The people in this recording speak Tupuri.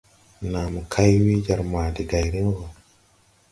Nàa mo kay we jar ma de gayrin wɔ.